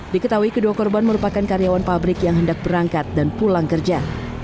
diketahui kedua korban merupakan karyawan pabrik yang hendak berangkat dan pulang kerja